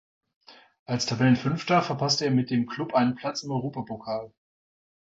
Als Tabellenfünfter verpasste er mit dem Klub einen Platz im Europapokal.